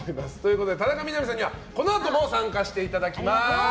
田中みな実さんにはこのあとも参加していただきます。